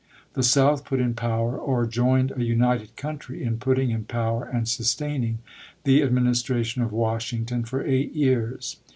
The South put in power — or joined a united country in putting in power and sustaining the Administration of Washington for eight years.